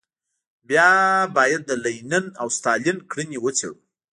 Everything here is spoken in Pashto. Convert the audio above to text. بیا باید د لینین او ستالین کړنې وڅېړو.